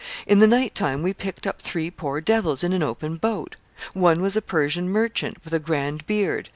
In the night time we picked up three poor devils in an open boat . One was a Persian merchant, with a grand beard.